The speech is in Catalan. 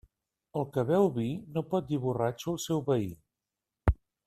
El que beu vi no pot dir borratxo al seu veí.